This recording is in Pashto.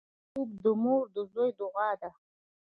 خوب د مور د زوی دعا ده